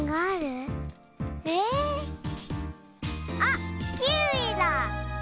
あっキウイだ！